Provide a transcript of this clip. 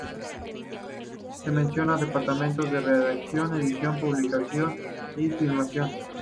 Se mencionan departamentos de redacción, edición, publicación y filmación.